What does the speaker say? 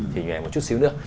thì nhòe một chút xíu nữa